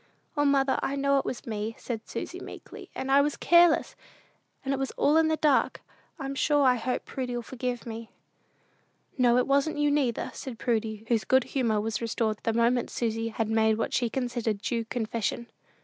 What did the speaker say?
"O, mother, I know it was me," said Susy meekly; "and I was careless, and it was all in the dark. I'm sure I hope Prudy'll forgive me." "No, it wasn't you, neither," said Prudy, whose good humor was restored the moment Susy had made what she considered due confession.